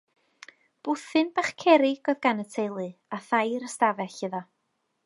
Bwthyn bach cerrig oedd gan y teulu, a thair ystafell iddo.